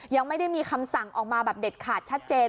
ยังไม่ได้มีคำสั่งออกมาแบบเด็ดขาดชัดเจน